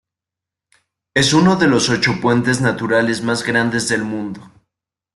Es uno de los ocho puentes naturales más grandes del mundo.